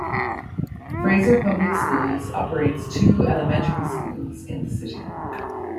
Fraser Public Schools operates two elementary schools in the city.